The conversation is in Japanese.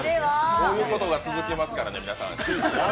こういうことが続来ますからね、皆さん。